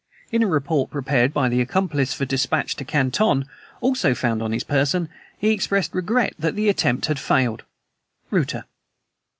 In a report prepared by the accomplice for dispatch to Canton, also found on his person, he expressed regret that the attempt had failed." Reuter.